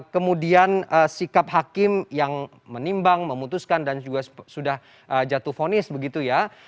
kemudian sikap hakim yang menimbang memutuskan dan juga sudah jatuh fonis begitu ya